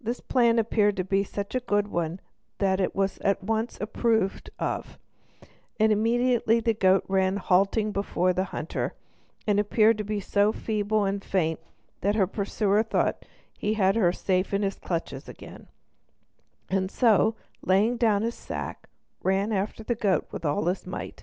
This plan appeared such a good one that it was at once approved of, and immediately the goat ran halting before the hunter, and appeared to be so feeble and faint that her pursuer thought he had her safe in his clutches again, and so, laying down his sack, ran after the goat with all his might.